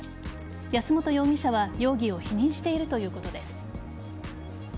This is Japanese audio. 安本容疑者は容疑を否認しているということです。